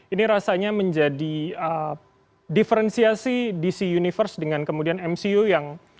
ini rasanya menjadi diferensiasi dc universe dengan kemudian mcu yang